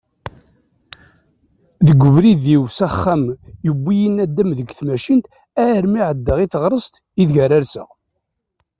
Deg ubrid-iw s axxam, yewwi-yi nadam deg tmacint armi εeddaɣ i teɣsert ideg ara rseɣ.